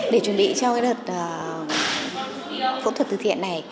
để chuẩn bị cho cái đợt phẫu thuật thực hiện này